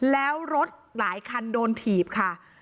แล้วรถหลายคันโดนถีบค่ะ